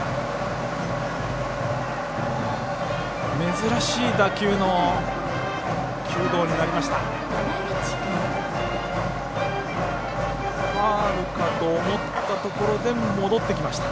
珍しい打球の球道になりました。